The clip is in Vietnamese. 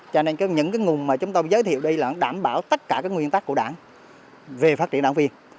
cho nên những cái nguồn mà chúng tôi giới thiệu đây là đảm bảo tất cả các nguyên tắc của đảng về phát triển đảng viên